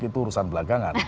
itu urusan belakangan